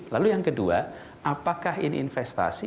lalu yang kedua apakah ini investasi